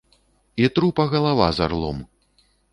І трупа галава з арлом!